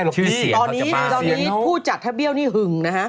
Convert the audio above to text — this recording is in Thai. ชื่อเสียงเขาจะบอกตอนนี้ผู้จัดถ้าเบี้ยวนี่หึงนะฮะ